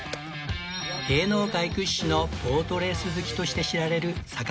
芸能界屈指のボートレース好きとして知られる坂上さん